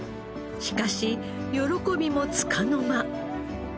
しかし喜びもつかの間。